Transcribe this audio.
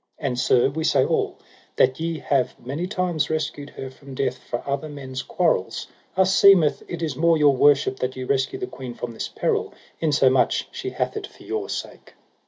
And sir, we say all, that ye have many times rescued her from death for other men's quarrels, us seemeth it is more your worship that ye rescue the queen from this peril, insomuch she hath it for your sake.